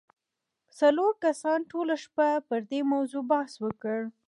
څلورو کسانو ټوله شپه پر دې موضوع بحث وکړ